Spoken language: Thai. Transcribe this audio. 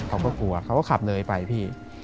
เขาก็กลัวเขาก็ขับเลยไปพี่